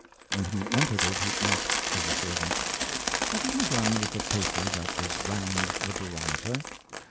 When he entered it, he asked of the servant, " What have you done with the paper that was round the bar ometer?